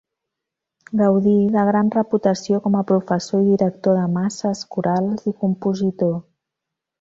Gaudí de gran reputació com a professor i director de masses corals i compositor.